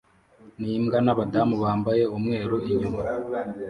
nimbwa nabadamu bambaye umweru inyuma